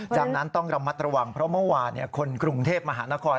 ดังนั้นต้องระมัดระวังเพราะเมื่อวานคนกรุงเทพมหานคร